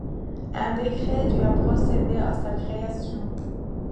Un décret du a procédé à sa création.